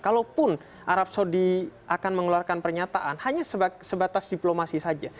kalaupun arab saudi akan mengeluarkan pernyataan hanya sebatas diplomasi saja